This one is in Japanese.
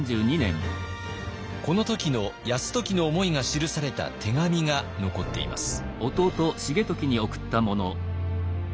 この時の泰時の思いが記された手紙が残っています。